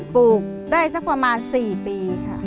ปลูกได้สักประมาณ๔ปีค่ะ